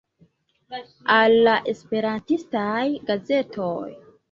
Al la Esperantistaj Gazetoj.